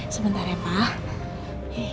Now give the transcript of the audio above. sebentar ya pak